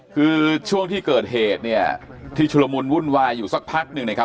คือช่วงที่เกิดเหตุเนี่ยที่ชุลมุนวุ่นวายอยู่สักพักหนึ่งนะครับ